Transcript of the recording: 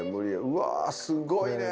うわすっごいね。